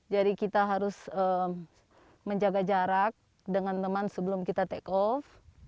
jadi kita harus menjaga jarak dengan teman sebelum kita take off